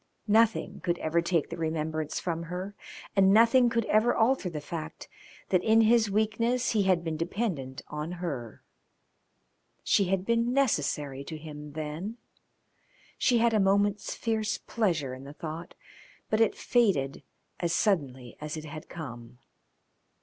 Nothing could ever take the remembrance from her, and nothing could ever alter the fact that in his weakness he had been dependent on her. She had been necessary to him then. She had a moment's fierce pleasure in the thought, but it faded as suddenly as it had come.